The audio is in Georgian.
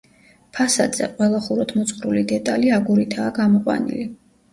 ფასადზე, ყველა ხუროთმოძღვრული დეტალი აგურითაა გამოყვანილი.